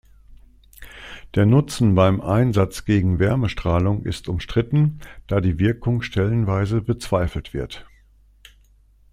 Der Nutzen beim Einsatz gegen Wärmestrahlung ist umstritten, da die Wirkung stellenweise bezweifelt wird.